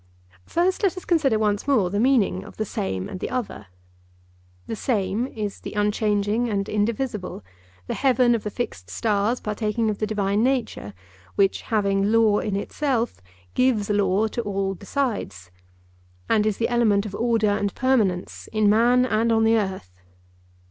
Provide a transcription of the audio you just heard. First, let us consider once more the meaning of the Same and the Other. The Same is the unchanging and indivisible, the heaven of the fixed stars, partaking of the divine nature, which, having law in itself, gives law to all besides and is the element of order and permanence in man and on the earth.